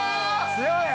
強い！